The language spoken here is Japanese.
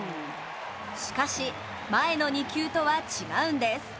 しかし、前の２球とは違うんです。